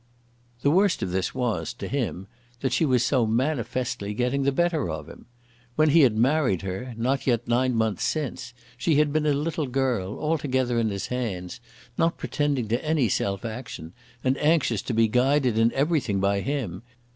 The worst of this was, to him, that she was so manifestly getting the better of him! When he had married her, not yet nine months since, she had been a little girl, altogether in his hands, not pretending to any self action, and anxious to be guided in everything by him.